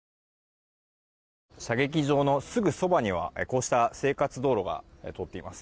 射撃場のすぐそばにはこうした生活道路が通っています。